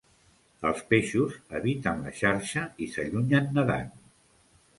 Els peixos eviten la xarxa i s'allunyen nedant.